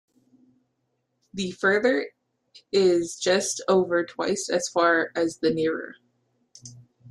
The further is just over twice as far as the nearer.